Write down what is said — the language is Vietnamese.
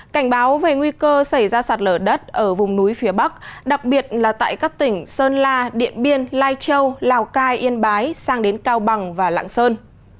cảnh báo về nguy cơ xảy ra sạt lở đất ở vùng núi phía bắc đặc biệt là tại các tỉnh sơn la điện biên lai châu lào cai yên bái sang đến cao bằng và lạng sơn